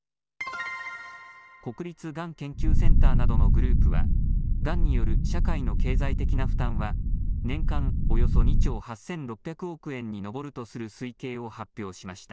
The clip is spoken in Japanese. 国立がん研究センターなどのグループは、がんによる社会の経済的な負担は年間およそ２兆８６００億円に上るとする推計を発表しました。